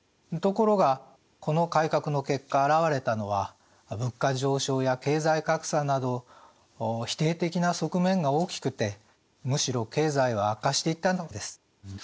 ところがこの改革の結果あらわれたのは物価上昇や経済格差など否定的な側面が大きくてむしろ経済は悪化していったのです。